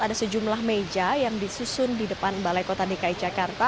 ada sejumlah meja yang disusun di depan balai kota dki jakarta